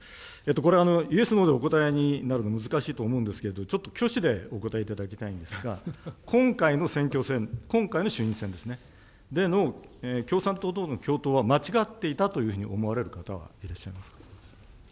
これ、イエス、ノーでお答えになるの難しいと思うんですけれども、ちょっと挙手でお答えいただきたいんですが、今回の選挙戦、今回の衆院選ですね、での共産党との共闘は間違っていたというふうに思われる方、いらっしゃいますか。